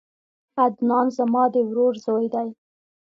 عدنان زما د ورور زوی دی